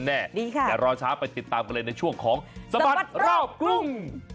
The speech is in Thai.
เดี๋ยวรอช้าไปติดตามกันเลยในช่วงของสบัดรอบกรุง